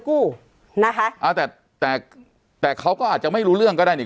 กู้นะคะอ่าแต่แต่แต่เขาก็อาจจะไม่รู้เรื่องก็ได้นี่